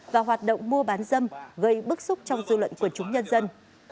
và hoạt động mua bán dâm gây bức xúc trong dư luận quần chúng nhân dân